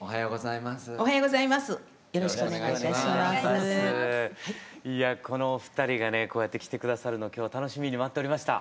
いやこのお二人がねこうやって来て下さるの今日は楽しみに待っておりました。